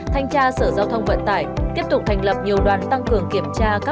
thanh tra sở giao thông vận tải tiếp tục thành lập nhiều đoàn tăng cường kiểm tra